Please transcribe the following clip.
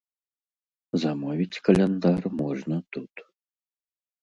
Замовіць каляндар можна тут.